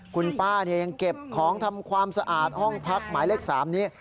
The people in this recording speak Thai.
คุณป้ายังเก็บของทำความสะอาดห้องพักหมายเลข๓นี้